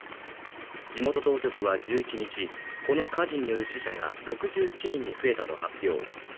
地元当局は１１日この火事による死者が６７人に増えたと発表